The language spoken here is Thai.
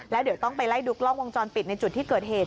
แล้วเดี๋ยวต้องไปไล่ดูกล้องวงจรปิดในจุดที่เกิดเหตุ